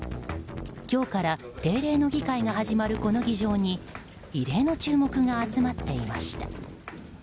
今日から定例の議会が始まるこの議場に異例の注目が集まっていました。